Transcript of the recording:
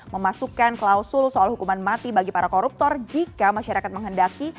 memasukkan klausul soal hukuman mati bagi para koruptor jika masyarakat menghendaki